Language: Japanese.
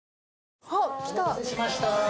お待たせしました。